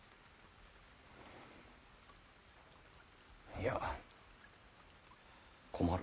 いや困る。